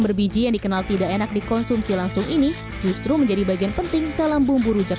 berbiji yang dikenal tidak enak dikonsumsi langsung ini justru menjadi bagian penting dalam bumbu rujak